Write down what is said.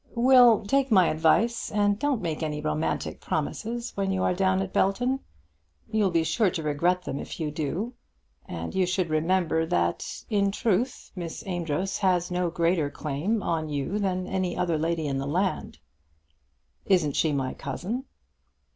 "Will, take my advice, and don't make any romantic promises when you are down at Belton. You'll be sure to regret them if you do. And you should remember that in truth Miss Amedroz has no greater claim on you than any other lady in the land." "Isn't she my cousin?"